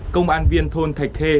công an viên thôn thạch khê